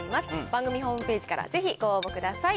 番組ホームページからぜひご応募ください。